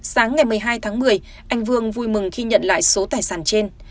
sáng ngày một mươi hai tháng một mươi anh vương vui mừng khi nhận lại số tài sản trên